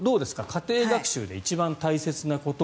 家庭学習で一番大切なこと。